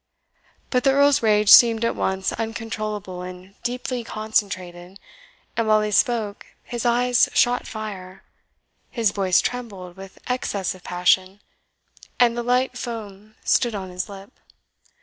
But the Earl's rage seemed at once uncontrollable and deeply concentrated, and while he spoke his eyes shot fire, his voice trembled with excess of passion, and the light foam stood on his lip.